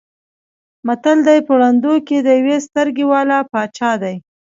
متل دی: په ړندو کې د یوې سترګې واله باچا دی.